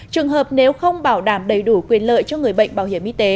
trường hợp nếu không bảo đảm đầy đủ quyền lợi cho người bệnh bảo hiểm y tế